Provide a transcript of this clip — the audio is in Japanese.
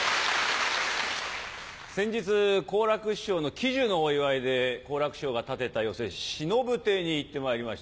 先日好楽師匠の喜寿のお祝いで好楽師匠が建てた寄席しのぶ亭に行ってまいりまして。